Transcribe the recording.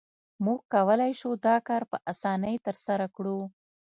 موږ کولای شو دا کار په اسانۍ ترسره کړو